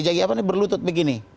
jadi berlutut begini